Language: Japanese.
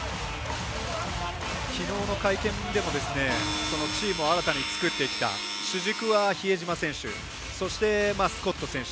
きのうの会見でもそのチームを新たに作ってきた主軸は比江島選手、スコット選手